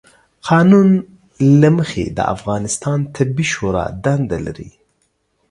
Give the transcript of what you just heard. قانون له مخې، د افغانستان طبي شورا دنده لري،